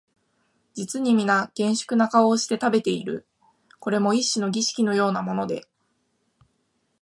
実にみな厳粛な顔をして食べている、これも一種の儀式のようなもので、